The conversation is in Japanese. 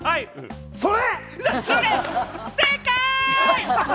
それ！